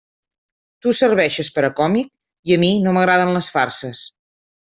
Tu serveixes per a còmic, i a mi no m'agraden les farses.